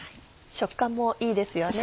食感もいいですよね。